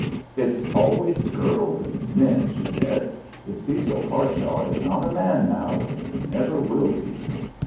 "It's always 'girls' and 'men,'" she said. "If Cecil Harshaw is not a man now, he never will be."